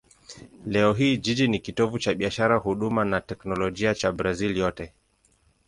Leo hii jiji ni kitovu cha biashara, huduma na teknolojia cha Brazil yote.